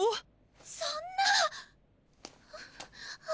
そんなあ。